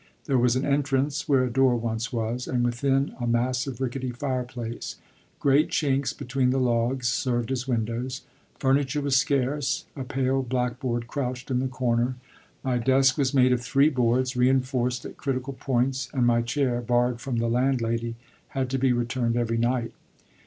There was an entrance where a door once was, and within, a massive rickety fireplace; great chinks between the logs served as windows. Furniture was scarce. A pale blackboard crouched in the corner. My desk was made of three boards, reinforced at critical points, and my chair, borrowed from the landlady, had to be returned every night.